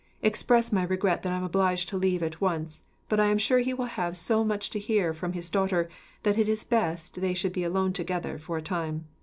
Express my regret that I am obliged to leave at once, but I am sure he will have so much to hear, from his daughter, that it is best they should be alone together, for a time."